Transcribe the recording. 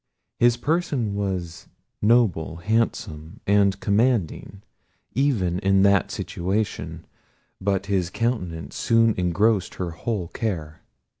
His person was noble, handsome, and commanding, even in that situation: but his countenance soon engrossed her whole care.